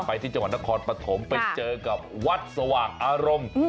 ไปที่จังหวัดนครปฐมไปเจอกับวัดสว่างอารมณ์